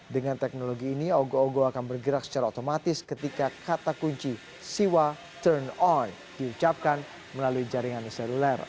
dengan teknologi ini ogo ogo akan bergerak secara otomatis ketika kata kunci siwa turn on diucapkan melalui jaringan seluler